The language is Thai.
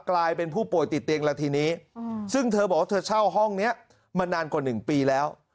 กลายเป็นผู้ป่วยติดเตียงแล้วทีนี้ซึ่งเธอบอกว่าเธอเช่าห้องนี้มานานกว่า๑ปีแล้ว